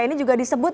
ini juga disebut